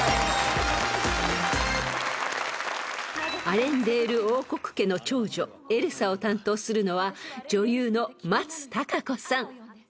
［アレンデール王国家の長女エルサを担当するのは女優の松たか子さん］